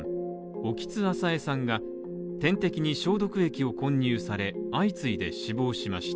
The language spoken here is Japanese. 興津朝江さんが点滴に消毒液を混入され、相次いで死亡しました。